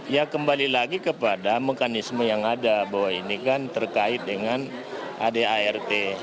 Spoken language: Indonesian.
ya kembali lagi kepada mekanisme yang ada bahwa ini kan terkait dengan adart